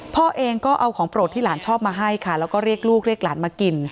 พ่อเองก็เอาของโปรดที่หลานชอบมาให้ค่ะแล้วก็เรียกลูกเรียกหลานมากิน